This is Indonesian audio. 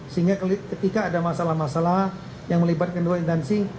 sehingga ketika ada masalah masalah yang melibatkan dua intansi